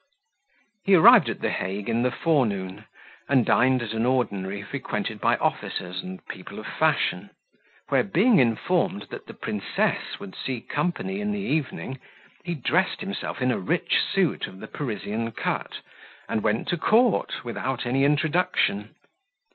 He arrived at the Hague in the forenoon, and dined at an ordinary frequented by officers and people of fashion; where being informed that the princess would see company in the evening, he dressed himself in a rich suit of the Parisian cut, and went to court, without any introduction.